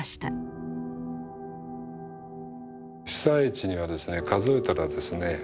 被災地にはですね数えたらですね